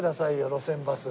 『路線バス』。